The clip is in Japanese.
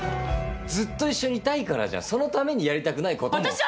ずっと一緒にいたいからじゃん、そのためにやりたくないことも。